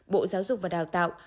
bộ giáo dục và đào tạo